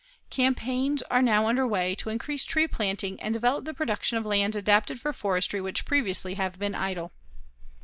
Campaigns are now under way to increase tree planting and develop the production of lands adapted for forestry which previously have been idle.